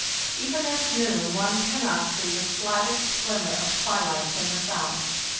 Even at noon one cannot see the slightest glimmer of twilight in the south.